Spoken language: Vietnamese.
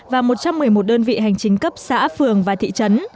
và một trăm một mươi một đơn vị hành chính cấp xã phường và thị trấn